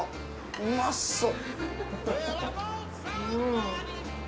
うまそう。